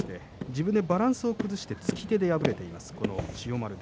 自分でバランスを崩してつき手で敗れています。